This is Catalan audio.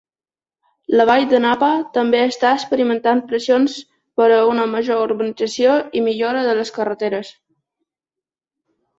La vall de Napa també està experimentant pressions per a una major urbanització i millora de les carreteres.